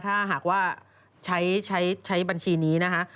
ถ้าหากว่าใช้บัญชีนี้นะคะ